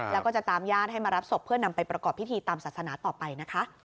แล้วก็จะตามญาติให้มารับศพเพื่อนำไปประกอบพิธีตามศาสนาต่อไปนะคะ